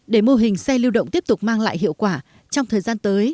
để mô hình xe lưu động tiếp tục mang lại hiệu quả trong thời gian tới